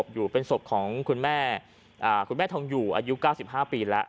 จัดงานศพอยู่เป็นศพของคุณแม่อ่าคุณแม่ทองอยู่อายุเก้าสิบห้าปีแล้ว